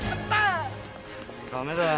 ダメだよ。